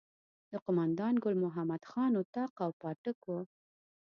د قوماندان ګل محمد خان اطاق او پاټک وو.